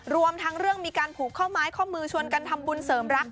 รวมทั้งเรื่องมีการผูกข้อไม้ข้อมือชวนกันทำบุญเสริมรัก